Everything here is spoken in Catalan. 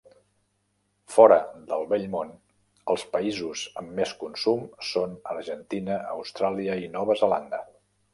Fora del Vell Món, els països amb més consum són Argentina, Austràlia i Nova Zelanda.